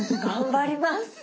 頑張ります！